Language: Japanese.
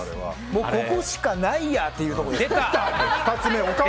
もうここしかないやーってところです。